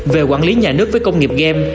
về quản lý nhà nước với công nghiệp game